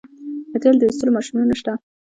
د تیلو د ایستلو ماشینونه شته.